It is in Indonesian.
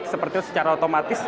seperti itu secara otomatis